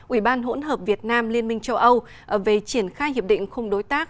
ủy ban hỗn hợp việt nam liên minh châu âu về triển khai hiệp định khung đối tác